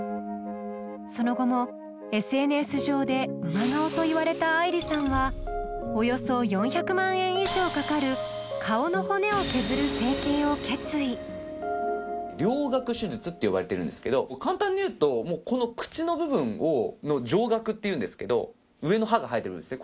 その後もＳＮＳ上で「馬顔」と言われたあいりさんはおよそ４００万円以上かかる顔の骨を削る整形を決意って呼ばれてるんですけど簡単に言うとこの口の部分の上顎っていうんですけど上の歯が生えてる部分ですね